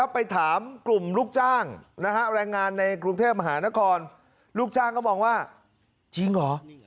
ไปถามกลุ่มลูกจ้างแรงงานในกรุงเทพมหานครลูกจ้างก็มองว่าจริงเหรอ